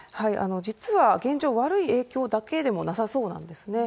実は現状、悪い影響だけではなさそうなんですね。